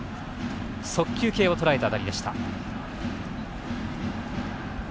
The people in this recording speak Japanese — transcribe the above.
速球系をとらえた当たりでした。